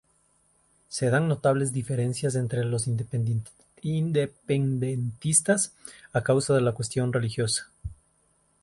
Se dan notables diferencias entre los independentistas, a causa de la cuestión religiosa.